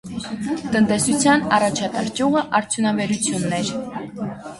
Տնտեսության առաջատար ճյուղը արդյունաբերությունն էր։